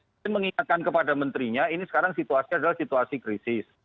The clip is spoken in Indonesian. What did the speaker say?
saya mengingatkan kepada menterinya ini sekarang situasi adalah situasi krisis